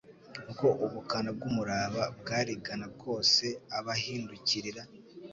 Uko ubukana bw'umuraba bwarigana kose abahindukirira